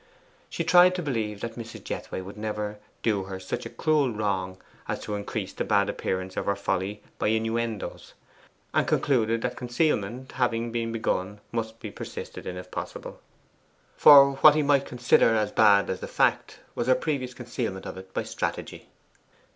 She tried to believe that Mrs. Jethway would never do her such a cruel wrong as to increase the bad appearance of her folly by innuendoes; and concluded that concealment, having been begun, must be persisted in, if possible. For what he might consider as bad as the fact, was her previous concealment of it by strategy.